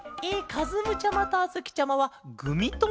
かずむちゃまとあづきちゃまはグミともケロね。